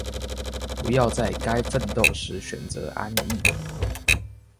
不要在該奮鬥時選擇安逸